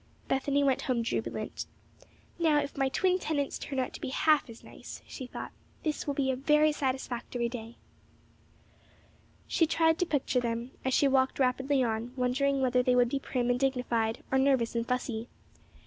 Bethany went home jubilant. "Now if my twin tenants turn out to be half as nice," she thought, "this will be a very satisfactory day." She tried to picture them, as she walked rapidly on, wondering whether they would be prim and dignified, or nervous and fussy. Mrs.